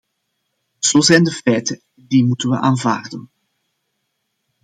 Zo zijn de feiten en die moeten we aanvaarden.